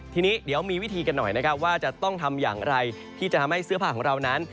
ทีนี้เดี๋ยวมีวิธีกันหน่อยนะครับว่าจะต้องทำอย่างไรที่จะทำให้เสื้อผ้าของเรานั้น